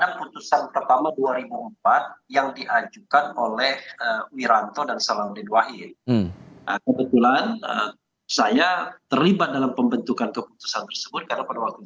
adanya pelanggaran terhadap hasil pemilihan yang lupa dan juridik